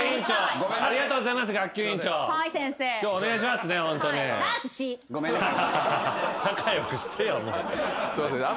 すいません。